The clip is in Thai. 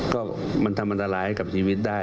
ก็มันทำอันตรายให้กับชีวิตได้